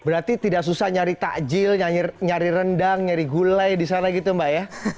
berarti tidak susah nyari takjil nyari rendang nyari gulai di sana gitu mbak ya